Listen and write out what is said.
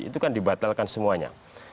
itu kan dibatalkan semuanya